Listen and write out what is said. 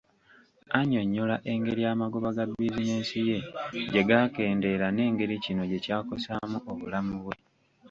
Annyonnyola engeri amagoba ga bizinensi ye gye gaakendeera n'engeri kino gye kyakosaamu obulamu bwe.